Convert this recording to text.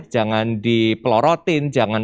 jangan dipelorotin jangan